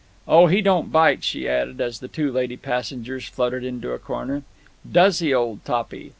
"Oh, he don't bite," she added, as the two lady passengers fluttered into a corner. "Does he, old Toppy?"